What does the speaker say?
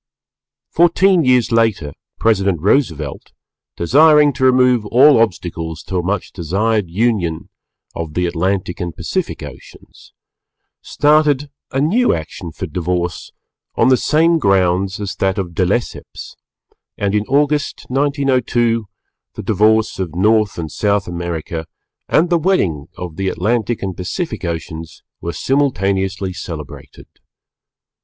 Fourteen years later President Roosevelt, desiring to remove all obstacles to a much desired union of the Atlantic and Pacific Oceans, started a new action for divorce on the same grounds as that of De Lesseps, and in August, 1902, the divorce of North and South America and the wedding of the Atlantic and Pacific Oceans were simultaneously celebrated.